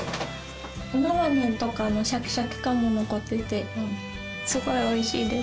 菜花とかのシャキシャキ感も残っていてすごいおいしいです。